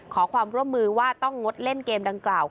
ขอความร่วมมือว่าต้องงดเล่นเกมดังกล่าว